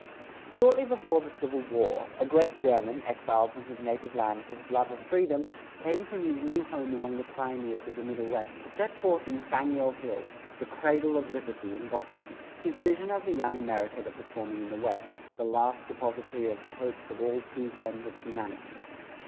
Shortly before the Civil War, a great German, exiled from his native land for his love of freedom, came from his new home among the pioneers of the Middle West to set forth in Faneuil Hall, the "cradle of liberty," in Boston, his vision of the young America that was forming in the West, "the last depository of the hopes of all true friends of humanity."